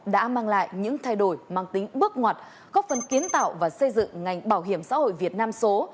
đổi mang tính bước ngoặt góp phần kiến tạo và xây dựng ngành bảo hiểm xã hội việt nam số